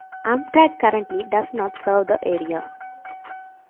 Amtrak currently does not serve the area.